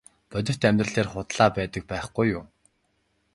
Бодит амьдрал дээр худлаа л байдаг байхгүй юу.